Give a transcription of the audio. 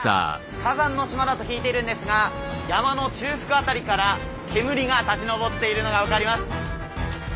火山の島だと聞いているんですが山の中腹辺りから煙が立ち上っているのが分かります。